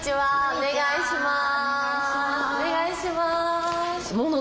お願いします。